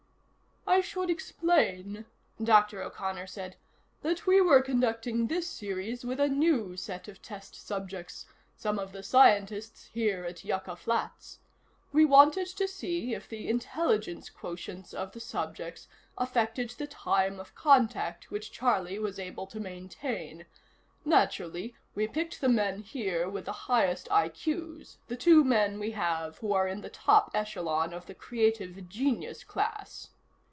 "I should explain," Dr. O'Connor said, "that we were conducting this series with a new set of test subjects: some of the scientists here at Yucca Flats. We wanted to see if the intelligence quotients of the subjects affected the time of contact which Charlie was able to maintain. Naturally, we picked the men here with the highest IQ's, the two men we have who are in the top echelon of the creative genius class."